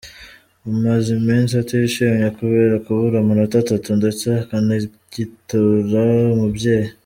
umaze iminsi atishimye kubera kubura amanota atatu ndetse akanagitura umubyeyi.